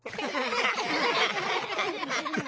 ハハハハッ。